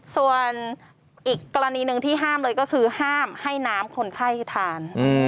ส่วนอีกกรณีหนึ่งที่ห้ามเลยก็คือห้ามให้น้ำคนไข้ทาน